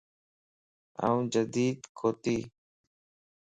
آن جڍي ڪوتي